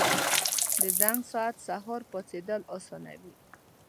• د زنګ ساعت سهار پاڅېدل اسانوي.